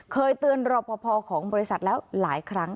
เคยเตือนรอปภของบริษัทแล้วหลายครั้ง